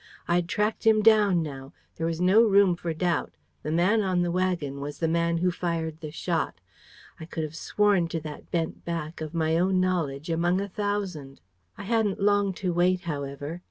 I'd tracked him down now. There was no room for doubt. The man on the wagon was the man who fired the shot. I could have sworn to that bent back, of my own knowledge, among a thousand. I hadn't long to wait, however.